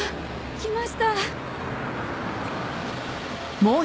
来ました。